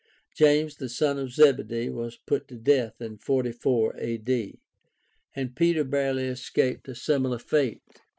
James the son of Zebedee was put to death in 44 A.D., and Peter barely escaped a similar fate.